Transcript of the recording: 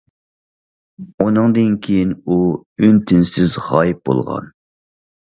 ئۇنىڭدىن كېيىن ئۇ ئۈن- تىنسىز غايىب بولغان.